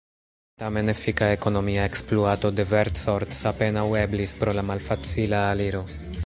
Tamen efika ekonomia ekspluato de Vercors apenaŭ eblis pro la malfacila aliro.